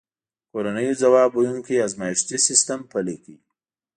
کورنیو ځواب ویونکی ازمایښتي سیستم پلی کړ.